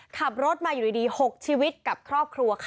ขับรถมาอยู่ดี๖ชีวิตกับครอบครัวค่ะ